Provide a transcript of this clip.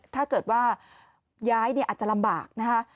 ถ้าเกิดว่าย้ายเนี่ยอาจจะลำบากนะคะ